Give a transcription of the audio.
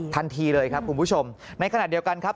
ทันทีเลยครับคุณผู้ชมในขณะเดียวกันครับ